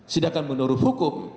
sedangkan menurut hukum